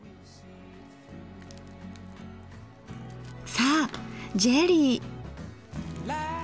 さあジェリー。